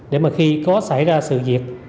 để mà khi có xảy ra sự diệt